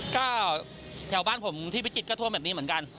ก็แถวบ้านผมที่พิจิตรก็ท่วมแบบนี้เหมือนกัน